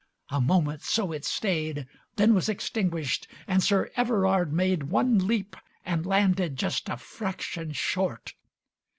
A moment so it stayed, Then was extinguished, and Sir Everard made One leap, and landed just a fraction short.